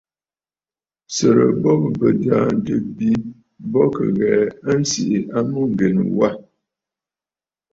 Sɨrɨ bo bɨ̀ bɨ̀jààntə̂ bi bɔ kì ghɛ̀ɛ a nsìʼi mûŋgèn wâ.